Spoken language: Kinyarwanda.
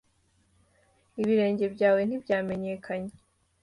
ibirenge byawe ntibyamenyekanye.